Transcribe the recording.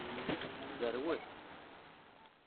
Zerwet.